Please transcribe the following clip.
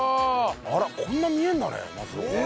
あらこんなに見えるんだね松戸から。